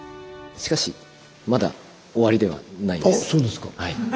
しかしまだ終わりではないんです。